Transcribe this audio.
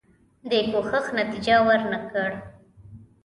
دې کوښښ نتیجه ورنه کړه.